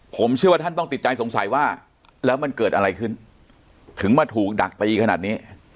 ผมเชื่อว่าท่านต้องติดใจสงสัยว่าแล้วมันเกิดอะไรขึ้นถึงมาถูกดักตีขนาดนี้